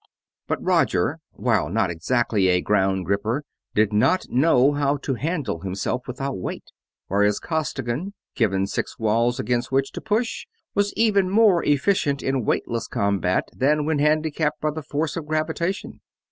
But Roger, while not exactly a ground gripper, did not know how to handle himself without weight; whereas Costigan, given six walls against which to push, was even more efficient in weightless combat than when handicapped by the force of gravitation.